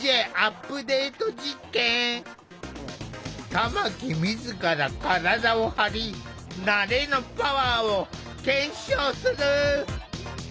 玉木自ら体を張り「慣れのパワー」を検証する。